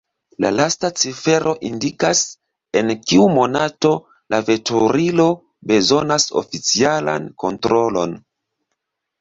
La lasta cifero indikas, en kiu monato la veturilo bezonas oficialan kontrolon.